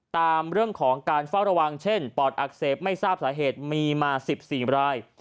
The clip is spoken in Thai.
ตามเรื่องของการเฝ้าระวังเช่นปอดอักเสบไม่ทราบสาเหตุมีมา๑๔ราย